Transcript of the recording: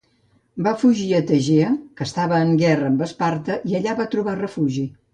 Va fugir a Tegea, que estava en guerra amb Esparta i allà va trobar refugi.